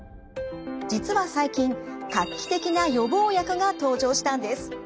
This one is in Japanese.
実は最近画期的な予防薬が登場したんです。